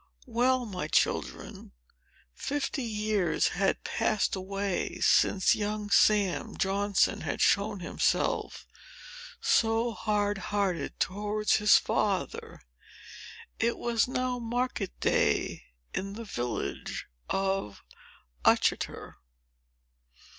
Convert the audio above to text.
Well, my children, fifty years had passed away since young Sam Johnson had shown himself so hard hearted towards his father. It was now market day in the village of Uttoxeter.